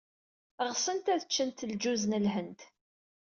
Ɣsent ad ččent lǧuz n Lhend.